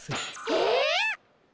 えっ！？